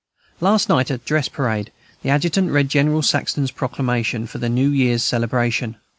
Last night, at dress parade, the adjutant read General Saxton's Proclamation for the New Year's Celebration.